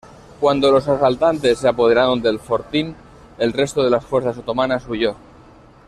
Cuando los asaltantes se apoderaron del fortín, el resto de las fuerzas otomanas huyó.